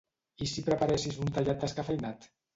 I si preparessis un tallat descafeïnat?